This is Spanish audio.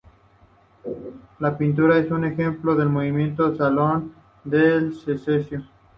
La pintura es un ejemplo del movimiento Salon de la Secesión.